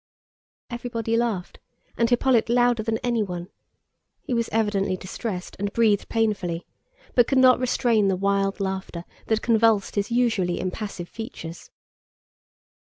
Everybody laughed, and Hippolyte louder than anyone. He was evidently distressed, and breathed painfully, but could not restrain the wild laughter that convulsed his usually impassive features.